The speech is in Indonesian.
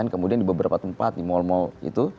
kemudian di beberapa tempat di mall mall itu